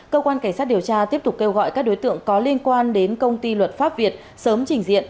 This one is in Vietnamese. cơ quan cảnh sát điều tra tiếp tục kêu gọi các đối tượng có liên quan đến công ty luật pháp việt sớm trình diện